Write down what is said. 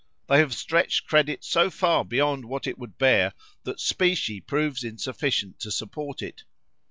They have stretched credit so far beyond what it would bear, that specie proves insufficient to support it.